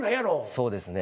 そうですね。